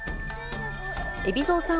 海老蔵さん